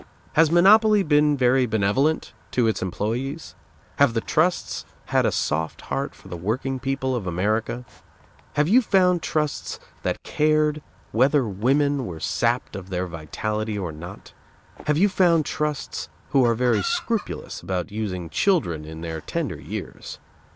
Has monopoly been very benevolent to its employees? Have the trusts had a soft heart for the working people of America? Have you found trusts that cared whether women were sapped of their vitality or not? Have you found trusts who are very scrupulous about using children in their tender years?